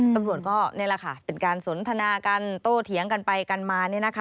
ตำรวจก็เป็นการสนทนากันโตเถียงกันไปกันมา